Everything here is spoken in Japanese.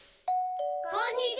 ・こんにちは！